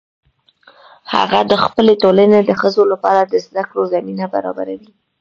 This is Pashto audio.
هغه د خپلې ټولنې د ښځو لپاره د زده کړو زمینه برابروي